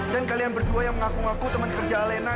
dan kalian berdua yang mengaku ngaku teman kerja alena